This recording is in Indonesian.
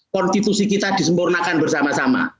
konstitusi kita disempurnakan bersama sama